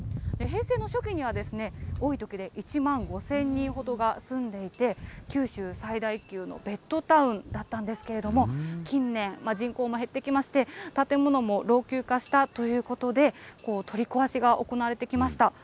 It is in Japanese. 平成の初期には多いときで１万５０００人ほどが住んでいて、九州最大級のベッドタウンだったんですけれども、近年、人口も減ってきまして、建物も老朽化したということで、取り壊しが行われてきました。